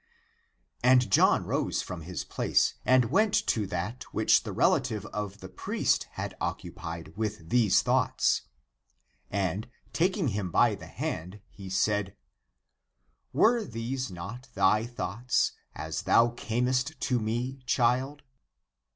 And John rose from his place and went to that which the relative of the priest had occupied with these thoughts, and, taking him by the hand, he said, " Were these not thy thoughts, as thou camest to me, child